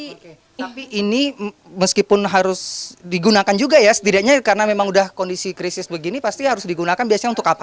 tapi ini meskipun harus digunakan juga ya setidaknya karena memang sudah kondisi krisis begini pasti harus digunakan biasanya untuk apa